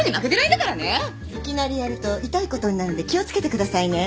いきなりやると痛いことになるんで気を付けてくださいね。